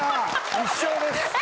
１笑です。